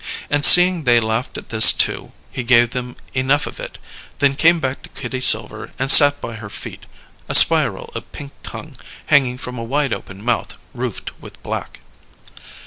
And, seeing they laughed at this, too, he gave them enough of it, then came back to Kitty Silver and sat by her feet, a spiral of pink tongue hanging from a wide open mouth roofed with black.